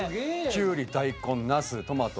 きゅうり大根なすトマト